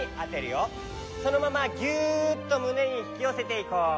そのままギュッとむねにひきよせていこう。